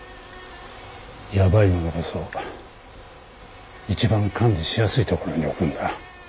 やばいものこそ一番管理しやすい所に置くんだ。